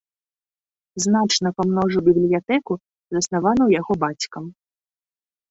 Значна памножыў бібліятэку, заснаваную яго бацькам.